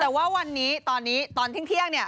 แต่ว่าวันนี้ตอนนี้ตอนเที่ยงเนี่ย